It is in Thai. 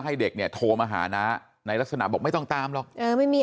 ให้เด็กเนี่ยโทรมาหาน้าในลักษณะบอกไม่ต้องตามหรอก